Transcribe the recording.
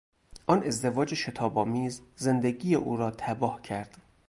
آن ازدواج شتاب آمیز زندگی او را تباه کرد.